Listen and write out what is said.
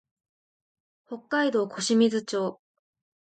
北海道小清水町